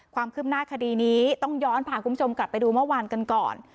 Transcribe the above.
ความคืบหน้าคดีนี้ต้องย้อนพาคุณผู้ชมกลับไปดูเมื่อวานกันก่อน